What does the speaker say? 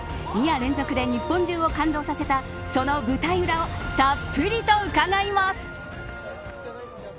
２夜連続で日本中を感動させたその舞台裏をたっぷりと伺います。